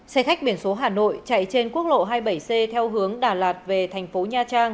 xe khách biển số hà nội chạy trên quốc lộ hai mươi bảy c theo hướng đà lạt về thành phố nha trang